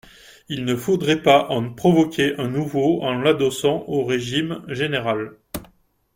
Il ne faudrait pas en provoquer un nouveau en l’adossant au régime général.